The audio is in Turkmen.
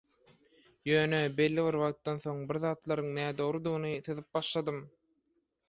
Ýöne belli bir wagtdan soň birzatlaryň nädogrydygny syzyp başladym.